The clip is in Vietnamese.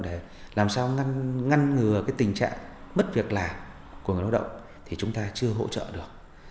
để làm sao ngăn ngừa cái tình trạng mất việc làm của người lao động thì chúng ta chưa hỗ trợ được